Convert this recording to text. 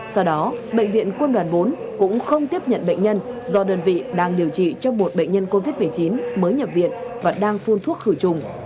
sau đó bệnh viện quân đoàn bốn cũng không tiếp nhận bệnh nhân do đơn vị đang điều trị cho một bệnh nhân covid một mươi chín mới nhập viện và đang phun thuốc khử trùng